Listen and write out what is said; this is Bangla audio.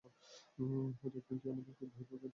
হয়তো একদিন, তুই আমাকে আমার ভাইপোকে দেখতে দিবি, তাই না?